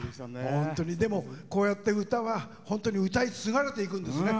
でも、こうやって歌は本当に歌い継がれていくんですね。